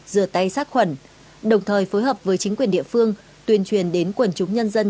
rửa tay sát khuẩn đồng thời phối hợp với chính quyền địa phương tuyên truyền đến quần chúng nhân dân